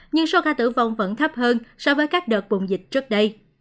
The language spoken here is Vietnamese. nhưng số ca tử vong vẫn thấp hơn so với các đợt bùng chống